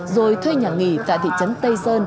rồi thuê nhà nghỉ tại thị trấn tây sơn